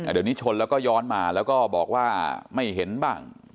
เดี๋ยวนี้ชนแล้วก็ย้อนมาแล้วก็บอกว่าไม่เห็นบ้าง